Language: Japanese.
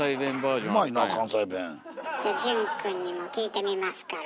じゃあ潤くんにも聞いてみますから。